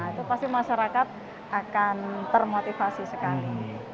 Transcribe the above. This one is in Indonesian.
itu pasti masyarakat akan termotivasi sekali